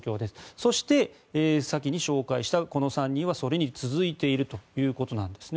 そして先に紹介したこの３人はそれに続いているということですね。